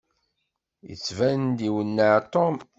Yettban-d iwenneɛ Tom.